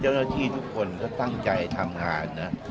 เจ้าหน้าที่ทุกคนก็ตั้งใจทำงานนะ